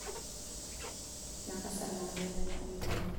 Na ka salnak zeihmanh a um lo.